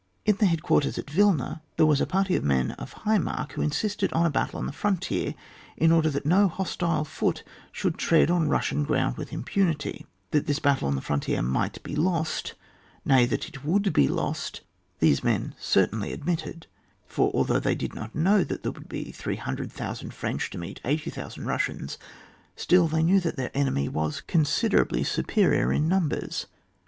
In the head quarters at Wilna there was a party of men of high mark who insisted on a battle on the frontier, in order that no hostile foot should tread on Bussian ground with impunity. That this battle on the frontier might be lost, nay, that it would be lost, these men certainly ad mitted ; for although they did not know that there would be 800,000 French to meet 80,000 Bussians, still they knew that the enemy was considerably superior 210 OAT JTAE [book yi. in numbers.